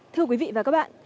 thưa quý vị và các bạn